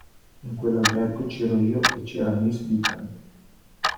In quell'albergo c'ero io e c'era miss Bigland.